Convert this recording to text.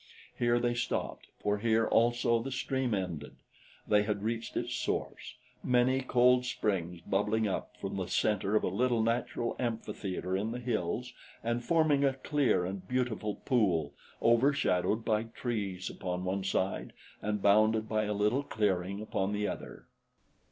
Here they stopped, for here also the stream ended. They had reached its source many cold springs bubbling up from the center of a little natural amphitheater in the hills and forming a clear and beautiful pool overshadowed by trees upon one side and bounded by a little clearing upon the other.